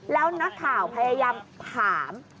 แล้วนักข่าวพยายามถาม